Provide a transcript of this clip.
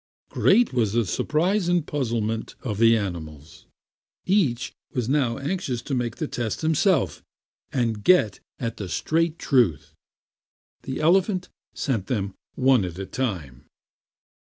Great was the surprise and puzzlement of the animals. Each was now anxious to make the test himself and get at the straight truth. The elephant sent them one at a time.